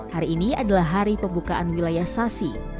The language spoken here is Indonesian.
hari ini adalah hari pembukaan wilayah sasi